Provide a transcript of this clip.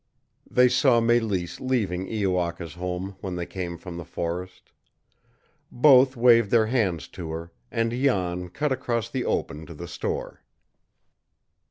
They saw Mélisse leaving Iowaka's home when they came from the forest. Both waved their hands to her, and Jan cut across the open to the store.